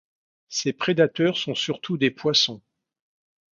Ses prédateurs sont surtout des poissons.